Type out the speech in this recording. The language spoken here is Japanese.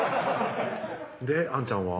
であんちゃんは？